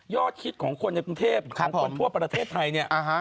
คิดของคนในกรุงเทพของคนทั่วประเทศไทยเนี่ย